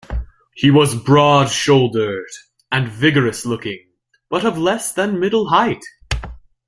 He was broad-shouldered and vigorous looking, but of less than middle height.